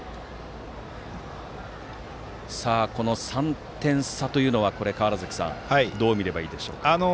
この３点差というのはどう見ればいいでしょうか。